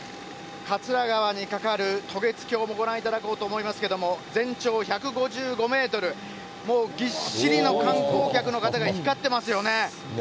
桂川に架かる渡月橋もご覧いただこうと思いますけども、全長１５５メートル、もうぎっしり観光客の方が光ってますよね。